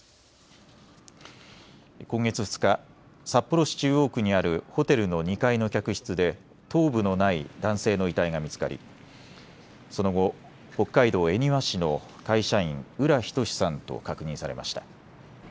今月２日、札幌市中央区にあるホテルの２階の客室で頭部のない男性の遺体が見つかりその後、北海道恵庭市の会社員、浦仁志さんと確認されました。